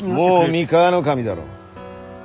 もう三河守だろ。